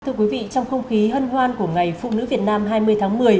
thưa quý vị trong không khí hân hoan của ngày phụ nữ việt nam hai mươi tháng một mươi